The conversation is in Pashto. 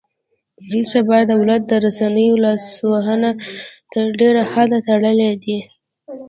نن سبا دولت د رسنیو لاسونه تر ډېره حده تړلي دي.